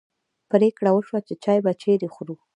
پرېکړه وشوه چې چای به چیرې خورو.